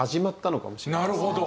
なるほど。